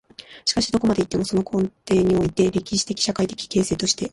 しかしどこまで行っても、その根底において、歴史的・社会的形成として、